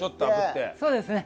そうですね。